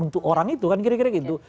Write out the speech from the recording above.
untuk orang itu kan kira kira gitu